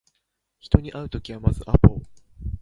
人に会うときはまずアポを